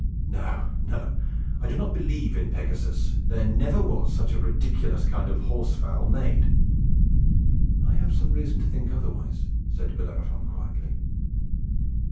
No, no! I don't believe in Pegasus. There never was such a ridiculous kind of a horse fowl made!" "I have some reason to think otherwise," said Bellerophon, quietly.